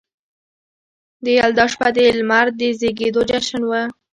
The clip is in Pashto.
د یلدا شپه د لمر د زیږیدو جشن و